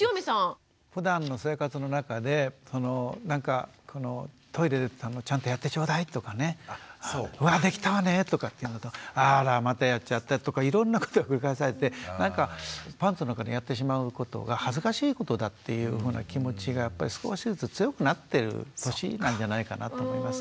ふだんの生活の中でなんかトイレちゃんとやってちょうだいとかねうわできたわねとかっていうのとあらまたやっちゃったとかいろんなことが繰り返されてなんかパンツの中でやってしまうことが恥ずかしいことだっていうふうな気持ちがやっぱり少しずつ強くなってる年なんじゃないかなと思いますね。